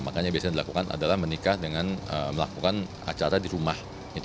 makanya biasanya dilakukan adalah menikah dengan melakukan acara di rumah